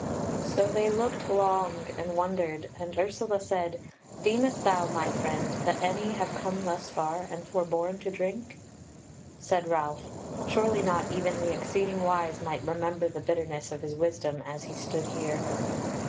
So they looked long and wondered; and Ursula said: "Deemest thou, my friend, that any have come thus far and forborne to drink?" Said Ralph: "Surely not even the exceeding wise might remember the bitterness of his wisdom as he stood here."